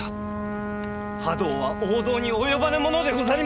覇道は王道に及ばぬものでござりまする！